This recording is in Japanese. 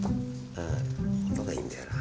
うん音がいいんだよな。